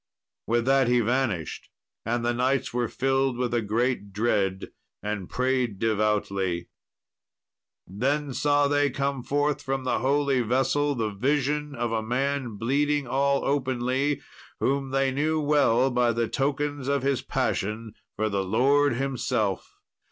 With that he vanished, and the knights were filled with a great dread and prayed devoutly. Then saw they come forth from the holy vessel the vision of a man bleeding all openly, whom they knew well by the tokens of His passion for the Lord Himself.